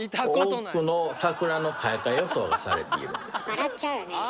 笑っちゃうよねえ。